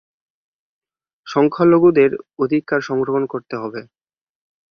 সংখ্যালঘুদের অধিকার সংরক্ষণ করতে হবে।